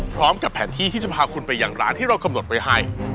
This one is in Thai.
พร้อมกับแผนที่ที่จะพาคุณไปอย่างร้านที่เรากำหนดไว้ให้